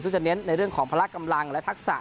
ซึ่งจะเน้นในเรื่องของพละกำลังและทักษะ